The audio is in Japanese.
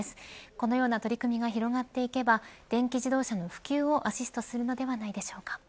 この取り組みが広がっていけば電気自動車の普及をアシストするのではないでしょうか。